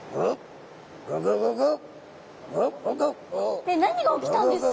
えっ何が起きたんですか？